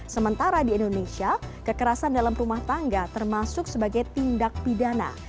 sementara di indonesia kekerasan dalam rumah tangga termasuk sebagai tindak pidana